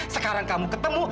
sekarang kamu ketemu